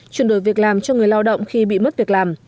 chuyển đổi việc làm cho người lao động khi bị mất việc làm